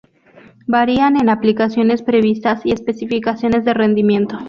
Varían en aplicaciones previstas y especificaciones de rendimiento.